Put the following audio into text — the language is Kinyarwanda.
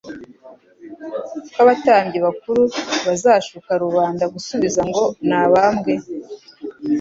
ko abatambyi bakuru bazashuka rubanda gusubiza ngo " Nabambwe”.